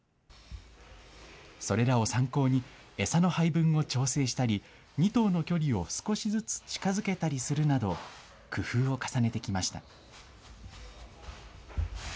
それらを参考に、餌の配分を調整したり、２頭の距離を少しずつ近づけたりするなど、工夫を重ねてきました。